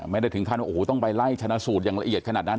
ไม่ได้ถึงขั้นว่าโอ้โหต้องไปไล่ชนะสูตรอย่างละเอียดขนาดนั้น